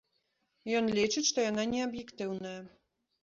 Ён лічыць, што яна неаб'ектыўная.